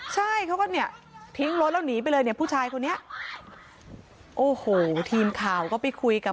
ใช่เขาก็เนี่ยทิ้งรถแล้วหนีไปเลยเนี่ยผู้ชายคนนี้โอ้โหทีมข่าวก็ไปคุยกับ